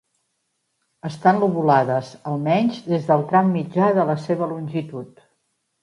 Estan lobulades, almenys, des del tram mitjà de la seva longitud.